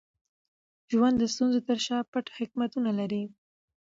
ژوند د ستونزو تر شا پټ حکمتونه لري.